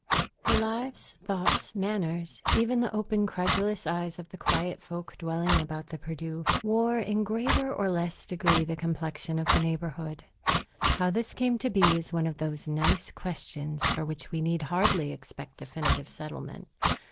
The lives, thoughts, manners, even the open, credulous eyes of the quiet folk dwelling about the Perdu, wore in greater or less degree the complexion of the neighborhood. How this came to be is one of those nice questions for which we need hardly expect definitive settlement.